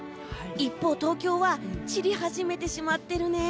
一方、東京は散り始めてしまってるね。